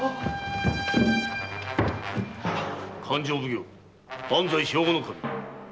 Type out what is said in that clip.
勘定奉行・安西兵庫頭。